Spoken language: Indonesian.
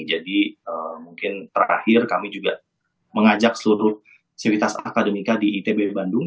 jadi mungkin terakhir kami juga mengajak seluruh sivitas akademika di itb bandung